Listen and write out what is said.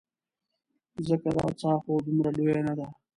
ځکه دا څاه خو دومره لویه نه ده.